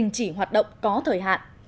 chỉ hoạt động có thời hạn